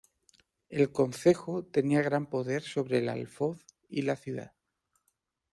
El concejo tenía gran poder sobre el alfoz y la ciudad.